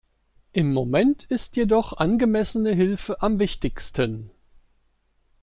Im Moment ist jedoch angemessene Hilfe am wichtigsten.